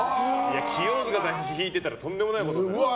清塚さんが弾いてたらとんでもないことになる。